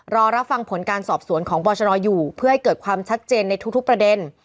รอรับฟังผลการสอบสวนของบอชนอยู่เพื่อให้เกิดความชัดเจนในทุกประเด็น